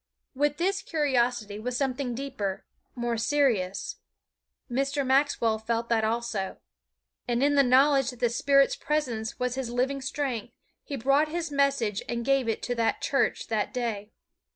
With this curiosity was something deeper, more serious. Mr. Maxwell felt that also. And in the knowledge that the Spirit's presence was his living strength, he brought his message and gave it to that church that day.